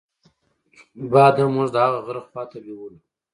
باد هم موږ د هغه غره خواته بېولو.